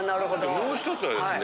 もうひとつはですね。